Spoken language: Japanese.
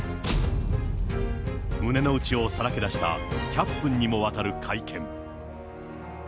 胸の内をさらけ出した１００分にもわたる会見。